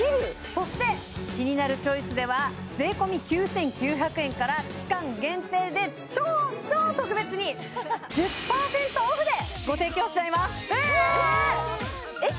そして「キニナルチョイス」では税込９９００円から期間限定で超超特別に１０％オフでご提供しちゃいますえーっ？